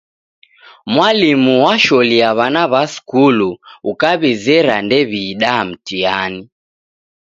Mwalimu washolia wana wa skulu, ukawizera ndew'iida mtihani.